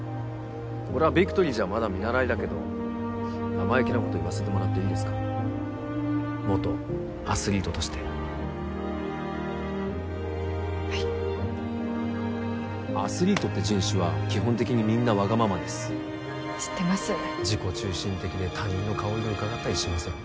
俺はビクトリーじゃまだ見習いだけど生意気なこと言わせてもらっていいですか元アスリートとしてはいアスリートって人種は基本的にみんなわがままです知ってます自己中心的で他人の顔色うかがったりしません